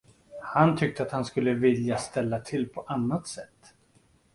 Han tyckte, att han skulle vilja ställa till på annat sätt.